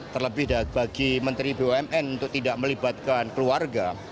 terlebih bagi menteri bumn untuk tidak melibatkan keluarga